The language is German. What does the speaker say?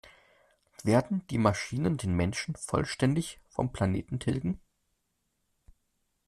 Werden die Maschinen den Menschen vollständig vom Planeten tilgen?